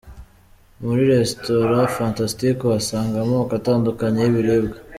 Muri Restaurent Fantastic uhasanga amoko atandukanye y'ibiribwa.